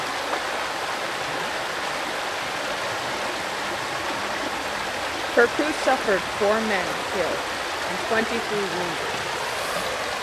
Her crew suffered four men killed and twenty-three wounded.